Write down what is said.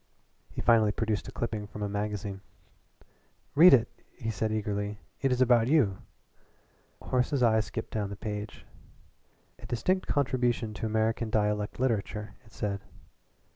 He finally produced a clipping from a magazine. "Read it!" he said eagerly. "It has about you too." Horace's eye skipped down the page. "A distinct contribution to American dialect literature," it said.